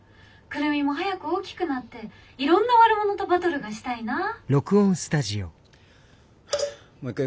クルミも早く大きくなっていろんな悪者とバトルがしたいなぁ」。